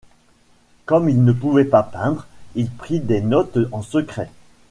Comme il ne pouvait pas peindre, il prit des notes en secret.